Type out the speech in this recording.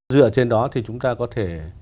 dựa trên đó thì chúng ta có thể